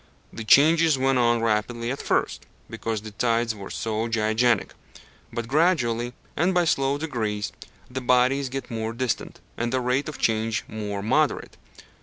The changes went on rapidly at first, because the tides were so gigantic; but gradually, and by slow degrees, the bodies get more distant, and the rate of change more moderate.